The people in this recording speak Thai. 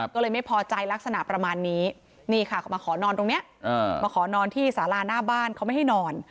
ก็เลยไม่พอใจลักษณะประมาณนี้นี่ค่ะเขามาขอนอนตรงนี้มาขอนอนที่สาราหน้าบ้านเขาไม่ให้นอน